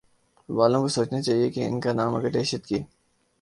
والوں کو سوچنا چاہیے کہ ان کانام اگر دہشت کی